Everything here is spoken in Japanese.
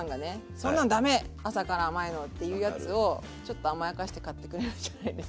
そんなんダメ朝から甘いのっていうやつをちょっと甘やかして買ってくれるんじゃないんですか。